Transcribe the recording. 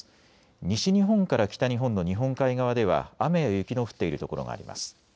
西日本から北日本の日本海側では雨や雪の降っている所があります。